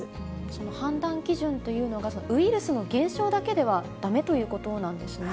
その判断基準というのが、ウイルスの減少だけではだめということなんですね。